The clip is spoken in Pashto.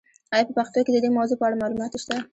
آیا په پښتو کې د دې موضوع په اړه معلومات شته؟